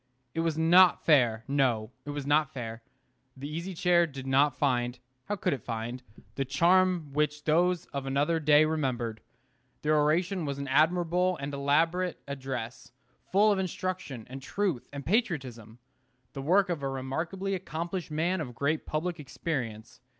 It was not fair; no, it was not fair. The Easy Chair did not find how could it find? the charm which those of another day remembered. The oration was an admirable and elaborate address, full of instruction and truth and patriotism, the work of a remarkably accomplished man of great public experience.